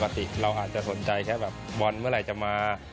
เราอาจจะสนใจแค่แบบบอลเมื่อไหร่จะมา